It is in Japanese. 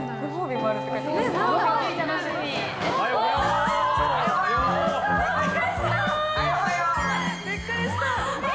びっくりした。